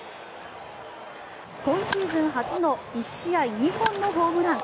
今シーズン初の１試合２本のホームラン。